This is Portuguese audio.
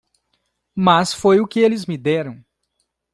Mas foi o que eles me deram.